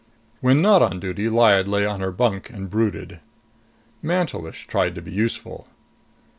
When not on duty, Lyad lay on her bunk and brooded. Mantelish tried to be useful.